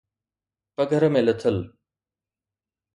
پگهر ۾ لٿل